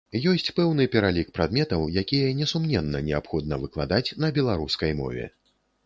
Ёсць пэўны пералік прадметаў, якія, несумненна, неабходна выкладаць на беларускай мове.